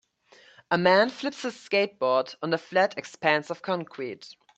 A man flips his skateboard on a flat expanse of concrete.